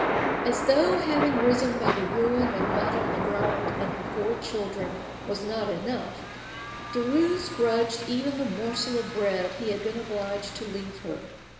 As though having risen by the ruin of Madame Legrand and her four children was not enough, Derues grudged even the morsel of bread he had been obliged to leave her.